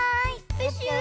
プシュー！